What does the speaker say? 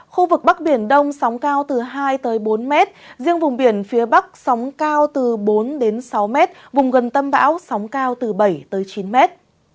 khu vực bắc biển đông sóng cao từ hai bốn mét riêng vùng biển phía bắc sóng cao từ bốn đến sáu mét vùng gần tâm bão sóng cao từ bảy tới chín mét